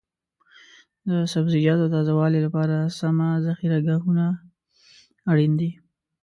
د سبزیجاتو تازه والي لپاره سمه ذخیره ګاهونه اړین دي.